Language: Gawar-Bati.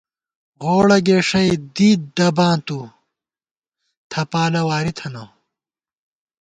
غوڑہ گېݭئ دی ڈباں تُو ، تھپالہ واری تھنہ